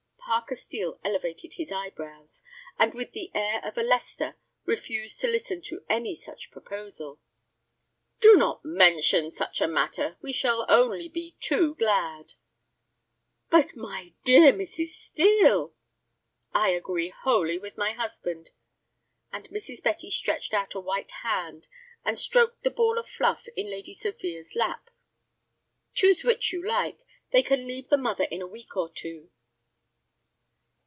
Parker Steel elevated his eyebrows, and, with the air of a Leicester, refused to listen to any such proposal. "Do not mention such a matter. We shall only be too glad." "But, my dear Mrs. Steel—" "I agree wholly with my husband." And Mrs. Betty stretched out a white hand, and stroked the ball of fluff in Lady Sophia's lap. "Choose which you like. They can leave the mother in a week or two."